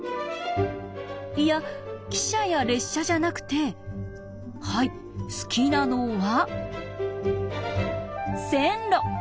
いや汽車や列車じゃなくてはい好きなのは線路。